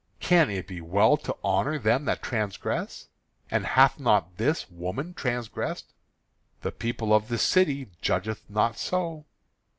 "Can it be well to honour them that transgress? And hath not this woman transgressed?" "The people of this city judgeth not so."